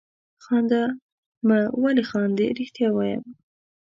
خانده مه ولې خاندې؟ رښتیا وایم.